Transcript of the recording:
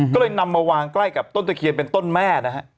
ก็เลยนำมาวางใกล้กับต้นตะเคียนเป็นต้นแม่นะฮะ